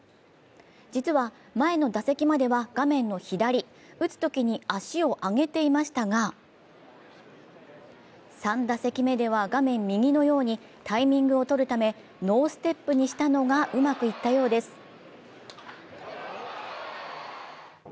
実は前の打席までは画面の左、打つときに足を上げていましたが３打席目では画面右のようにタイミングをとるためノーステップにしたのがうまくいったようです。